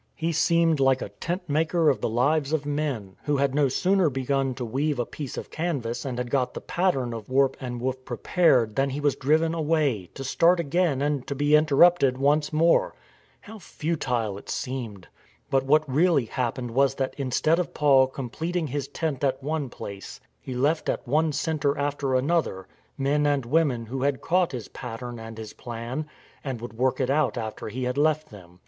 He seemed like a tent maker of the lives of men, who had no sooner begun to weave a piece of canvas and had got the pattern of warp and woof prepared than he was driven away — to start again and to be interrupted once more. How futile it seemed! But what really happened was that instead of Paul completing his tent at one place, he left at one centre after another men and women who had caught his pattern and his plan and would work it out after he had left them.